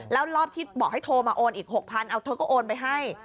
แล้วรอบที่บอกให้โทรมาโอนอีก๖๐๐เอาเธอก็โอนไปให้